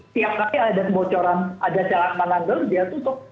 tiap kali ada kebocoran ada celah manager dia tutup